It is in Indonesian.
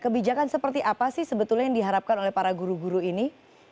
kebijakan seperti apa sih sebetulnya yang diharapkan oleh para guru guru ini